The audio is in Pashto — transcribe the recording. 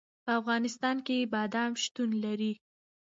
په افغانستان کې بادام شتون لري.